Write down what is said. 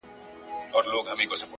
د وخت قدر د ځان قدر دی.